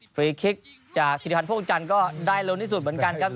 ฟรีคิกจากพิทธิพันธ์โภคจันทร์ก็ได้เร็วนิสุทธิ์เหมือนกันครับ